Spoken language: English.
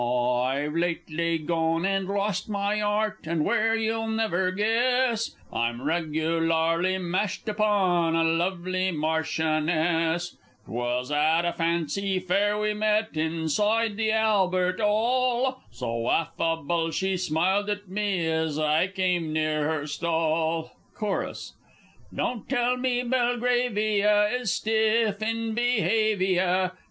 _ I've lately gone and lost my 'art and where you'll never guess I'm regularly mashed upon a lovely Marchioness! 'Twas at a Fancy Fair we met, inside the Albert 'All; So affable she smiled at me as I came near her stall! Chorus Don't tell me Belgravia is stiff in behaviour!